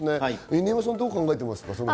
犬山さんはどう考えていますか。